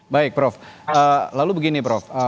baik prof lalu begini prof